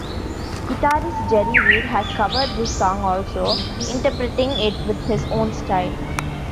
Guitarist Jerry Reed has covered this song also, interpreting it with his own style.